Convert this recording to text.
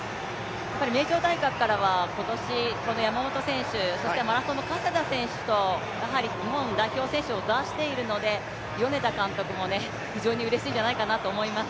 名城大学からは今年この山本選手そしてマラソンの加世田選手と、日本代表選手を出しているので米田監督も非常にうれしいんじゃないかと思います。